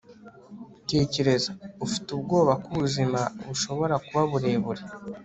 tekereza ufite ubwoba ko ubuzima bushobora kuba burebure